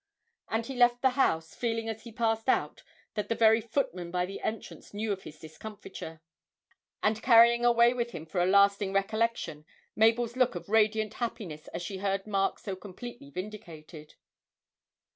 And he left the house, feeling as he passed out that the very footmen by the entrance knew of his discomfiture, and carrying away with him for a lasting recollection Mabel's look of radiant happiness as she heard Mark so completely vindicated.